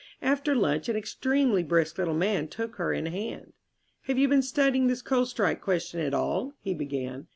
After lunch an extremely brisk little man took her in hand. "Have you been studying this coal strike question at all?" he began.